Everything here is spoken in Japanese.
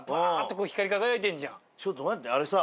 ちょっと待ってあれさ。